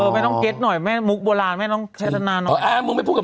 ไม่ต้องเก็ตหน่อยแม่มุกโบราณไม่ต้องแชทนาน้อยอ่ามึงไม่พูดกับ